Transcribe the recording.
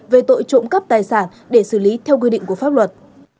về tội trộm cắp tài sản để xử lý theo quy định của pháp luật